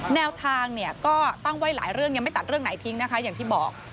แนวทางเนี่ยก็ตั้งไว้หลายเรื่องยังไม่ตัดเรื่องไหนทิ้งนะคะอย่างที่บอก